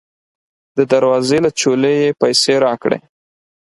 د دروازې له چولې یې پیسې راکړې.